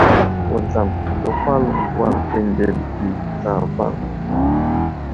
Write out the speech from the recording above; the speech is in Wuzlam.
Wuzlam ɗi di təhwal wal gwendele ɗi zlavaŋ.